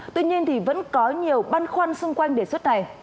tuy nhiên vẫn có nhiều băn khoăn xung quanh đề xuất này